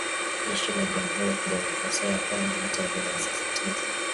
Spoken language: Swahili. Jeshi la Jamuhuri ya Kidemokrasia ya Kongo hata hivyo linasisitiza